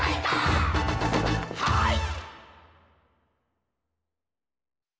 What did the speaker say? はい！